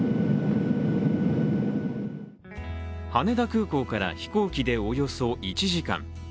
羽田空港から飛行機でおよそ１時間。